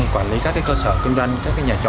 quản lý các cơ sở kinh doanh các nhà trọ